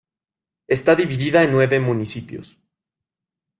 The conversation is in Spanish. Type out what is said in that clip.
Está dividida en nueve municipios.